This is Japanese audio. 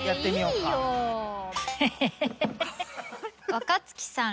「若槻さん